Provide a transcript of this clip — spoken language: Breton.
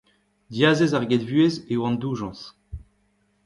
Diazez ar gedvuhez eo an doujañs.